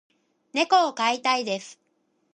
猫を飼いたいです。